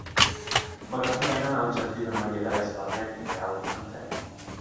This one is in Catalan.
M'agradaria anar al jardí de Maria Teresa Vernet i Real amb tren.